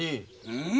うん？